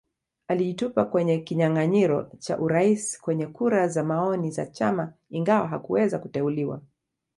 Alijitupa kwenye kinyanganyiro cha Urais kwenye kura za maoni za chama ingawa hakuweza kuteuliwa